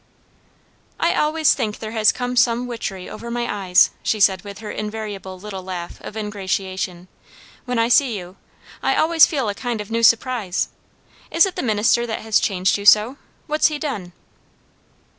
"I always think there has come some witchery over my eyes," she said with her invariable little laugh of ingratiation, "when I see you. I always feel a kind of new surprise. Is it the minister that has changed you so? What's he done?"